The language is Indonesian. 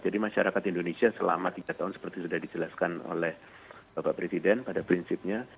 jadi masyarakat indonesia selama tiga tahun seperti sudah dijelaskan oleh bapak presiden pada prinsipnya